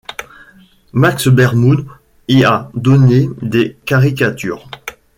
Max Beerbohm y a donné des caricatures.